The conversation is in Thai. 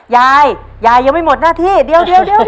ยายยายยังไม่หมดหน้าที่เดี๋ยว